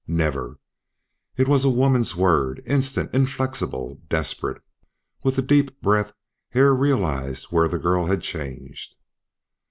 "Never." It was a woman's word, instant, inflexible, desperate. With a deep breath Hare realized where the girl had changed.